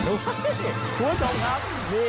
คุณชมครับ